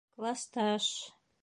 Класта-аш...